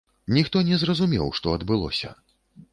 Ніхто не зразумеў, што адбылося.